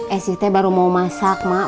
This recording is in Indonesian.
esi teh baru mau masak mak